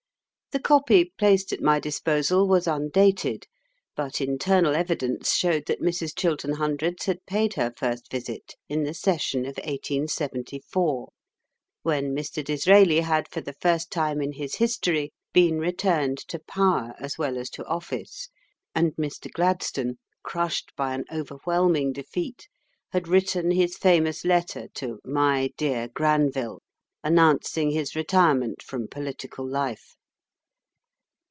The copy placed at my disposal was undated, but internal evidence showed that Mrs. Chiltern Hundreds had paid her visit in the session of 1874, when Mr. Disraeli had for the first time in his history been returned to power as well as to office, and Mr. Gladstone, crushed by an overwhelming defeat, had written his famous letter to "My dear Granville," announcing his retirement from political life.